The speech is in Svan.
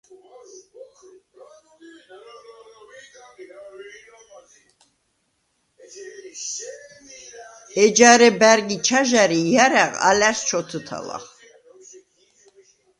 ეჯარე ბა̈რგ ი ჩაჟა̈რ ი ჲარა̈ღ ალა̈რს ჩოთჷთალახ.